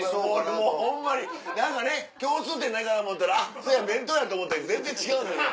もうホンマに何かね共通点ないかな思ったらあっそうや弁当やって思ったけど全然違うんですね。